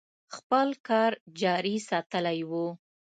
خپل کار جاري ساتلی و.